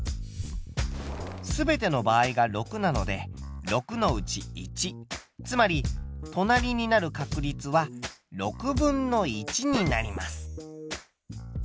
すべての場合が６なので６のうち１つまり隣になる確率は６分の１になります。